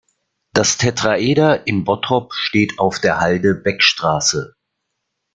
Das Tetraeder in Bottrop steht auf der Halde Beckstraße.